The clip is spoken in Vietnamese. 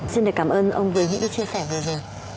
xin được cảm ơn ông với những chia sẻ vừa rồi